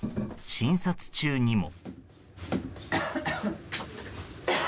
診察中にも。